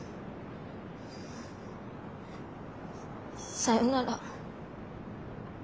さよなら。